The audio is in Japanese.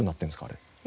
あれ。